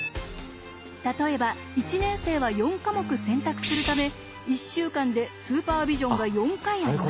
例えば１年生は４科目選択するため１週間でスーパービジョンが４回あります。